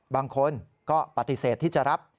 บางคนก็ปฏิเสธที่จะรับ